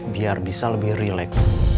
biar bisa lebih relax